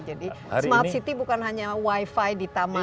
jadi smart city bukan hanya wifi di taman